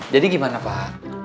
jadi gimana pak